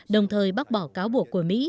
đồng thời bác bỏ cáo buộc của mỹ